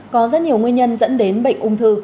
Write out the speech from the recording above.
có rất nhiều nguyên nhân dẫn đến bệnh ung thư